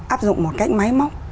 áp dụng một cách máy móc